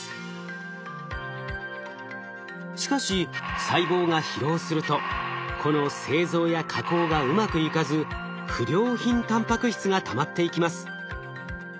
しかし細胞が疲労するとこの製造や加工がうまくいかず不良品タンパク質がたまっていきます。